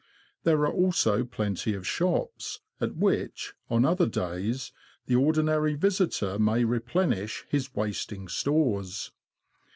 There are also plenty of shops, at which, on other days, the ordinary visitor may replenish his wasting stores.